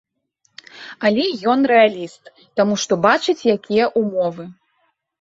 Але ён рэаліст, таму што бачыць, якія ўмовы.